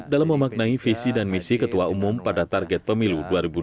dalam memaknai visi dan misi ketua umum pada target pemilu dua ribu dua puluh